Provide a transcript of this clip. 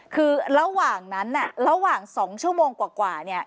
คือระหว่างนั้นระหว่าง๒ชั่วโมงกว่าเนี่ย